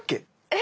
え？